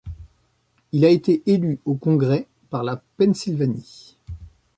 Il a été élu au Congrès par la Pennsylvanie.